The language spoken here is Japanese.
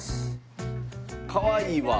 かわいいわ。